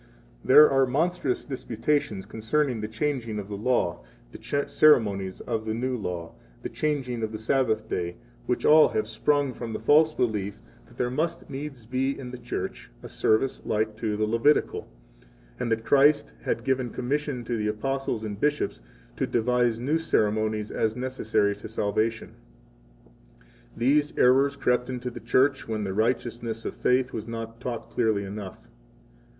61 There are monstrous disputations concerning the changing of the law, the ceremonies of the new law, the changing of the Sabbath day, which all have sprung from the false belief that there must needs be in the Church a service like to the Levitical, and that Christ had given commission to the Apostles and bishops to devise new ceremonies as necessary to 62 salvation. These errors crept into the Church when the righteousness of faith was not taught clearly enough.